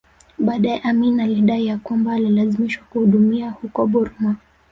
Baadae Amin alidai ya kwamba alilazimishwa kuhudumia huko Burma